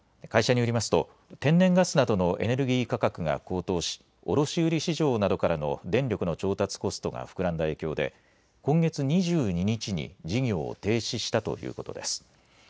会社によりますと天然ガスなどのエネルギー価格が高騰し卸売市場などからの電力の調達コストが膨らんだ影響で今月２２日に事業を停止したということです。